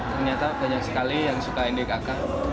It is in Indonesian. ternyata banyak sekali yang suka ndx ak